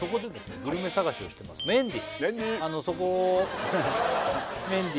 グルメ探しをしてますメンディーメンディー！